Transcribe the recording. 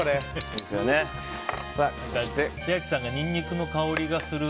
千秋さんがニンニクの香りがする。